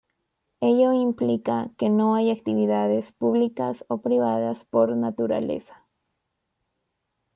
Ello implica que no hay actividades públicas o privadas por naturaleza.